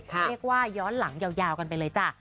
เรียกว่าย้อนหลังยาวกันไปเลยจ้ะ